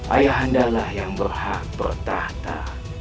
ayah andalah yang berhak bertahta